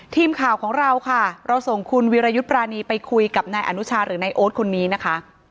ทีมข่าวของเราค่ะเราส่งคุณวิรยุทธ์ปรานีไปคุยกับนายอนุชาหรือนายโอ๊ตคนนี้นะคะ